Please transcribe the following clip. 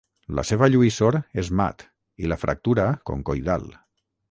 La seva lluïssor és mat i la fractura concoidal.